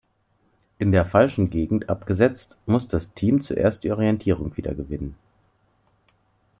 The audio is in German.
In der falschen Gegend abgesetzt muss das Team zuerst die Orientierung wiedergewinnen.